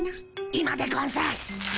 今でゴンス。